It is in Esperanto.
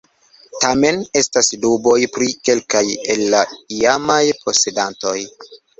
Tamen estas duboj pri kelkaj el la iamaj posedantoj.